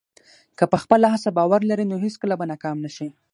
که په خپله هڅه باور لرې، نو هېڅکله به ناکام نه شې.